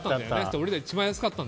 俺ら、一番安かったの。